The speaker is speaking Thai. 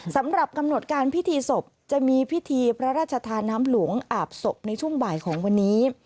สำหรับกำหนดการพิธีศพจะมีพิธีพระราชทานน้ำหลวงอาบศพในช่วงบ่ายของวันนี้